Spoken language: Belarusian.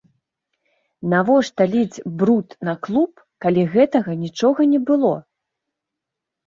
Навошта ліць бруд на клуб, калі гэтага нічога не было?